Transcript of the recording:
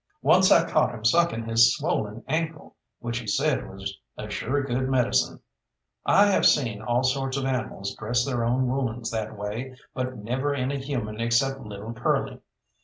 Once I caught him sucking his swollen ankle, which he said was a sure good medicine. I have seen all sorts of animals dress their own wounds that way, but never any human except little Curly.